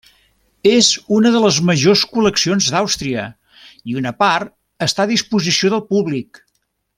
És una de les majors col·leccions d'Àustria i una part està a disposició del públic.